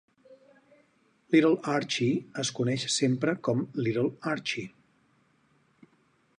Little Archie es coneix sempre com "Little Archie".